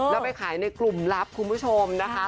แล้วไปขายในกลุ่มลับคุณผู้ชมนะคะ